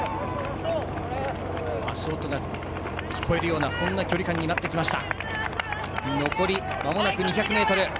足音が聞こえるような距離感になってきました。